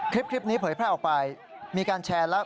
คลิปนี้เผยแพร่ออกไปมีการแชร์แล้ว